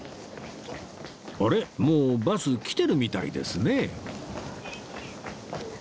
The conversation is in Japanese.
もうバス来てるみたいですね